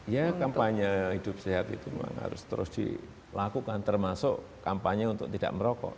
ya kampanye hidup sehat itu memang harus terus dilakukan termasuk kampanye untuk tidak merokok